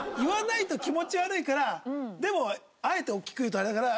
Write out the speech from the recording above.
でもあえておっきく言うとあれだから。